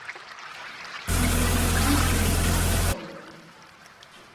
informowanie i edukacja kobiet,